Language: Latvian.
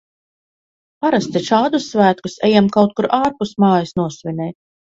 Parasti šādus svētkus ejam kaut kur ārpus mājas nosvinēt.